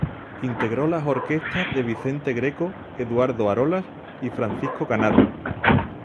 Integró las orquestas de Vicente Greco, Eduardo Arolas y Francisco Canaro.